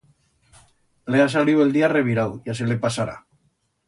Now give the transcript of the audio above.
Le ha saliu el día revirau, ya se le pasará.